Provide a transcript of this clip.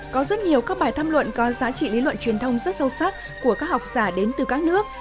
có rất nhiều các bài tham luận có giá trị lý luận truyền thông rất sâu sắc của các học giả đến từ các nước